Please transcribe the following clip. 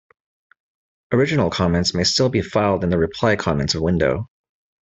Original comments may still be filed in the reply comments window.